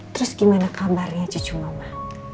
terus gimana kabarnya cucu mama